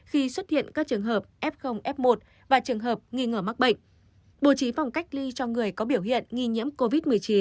khi xuất hiện các trường hợp f f một và trường hợp nghi ngờ mắc bệnh bổ trí phòng cách ly cho người có biểu hiện nghi nhiễm covid một mươi chín